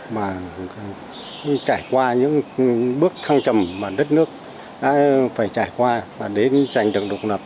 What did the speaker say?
mà trải qua những bước thăng trầm mà đất nước đã phải trải qua để giành được độc lập